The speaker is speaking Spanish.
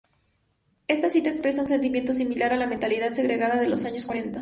Esta cita expresa un sentimiento similar a la mentalidad segregada de los años cuarenta.